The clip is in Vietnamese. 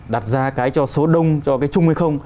đặt ra cái cho số đông cho cái chung hay không